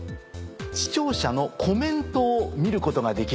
視聴者のコメントを見ることができる。